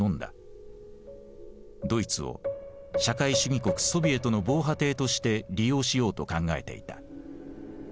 ドイツを社会主義国ソビエトの防波堤として利用しようと考えていた。